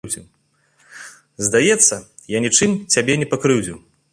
Здаецца, я нічым цябе не пакрыўдзіў.